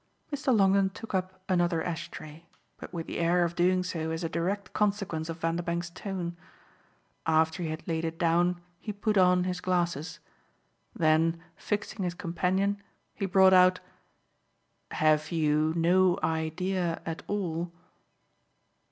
Mr. Longdon took up another ash tray, but with the air of doing so as a direct consequence of Vanderbank's tone. After he had laid it down he put on his glasses; then fixing his companion he brought out: "Have you no idea at all